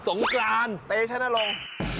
สงกรานประเทศนรง